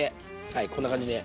はいこんな感じで。